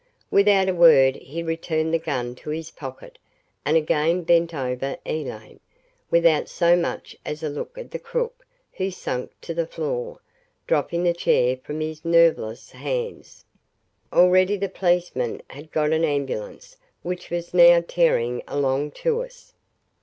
Without a word he returned the gun to his pocket and again bent over Elaine, without so much as a look at the crook who sank to the floor, dropping the chair from his nerveless hands. Already the policeman had got an ambulance which was now tearing along to us.